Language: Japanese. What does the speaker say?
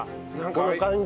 この感じ。